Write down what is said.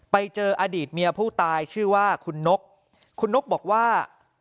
ไปเจออดีตเมียผู้ตายชื่อว่าคุณนกคุณนกบอกว่า